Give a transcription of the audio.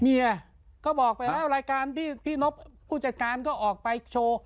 เมียก็บอกไปแล้วรายการพี่นบผู้จัดการก็ออกไปโชว์